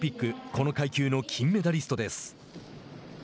この階級の金メダリストです。